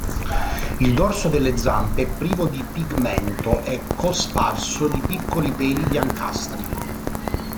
Il dorso delle zampe è privo di pigmento e cosparso di piccoli peli biancastri.